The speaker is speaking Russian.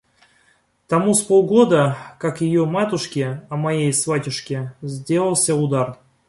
Тому с полгода, как ее матушке, а моей сватьюшке, сделался удар...